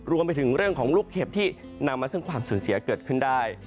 รวมไปถึงเรื่องของลูกเห็บที่นำมาซึ่งความสูญเสียเกิดขึ้นได้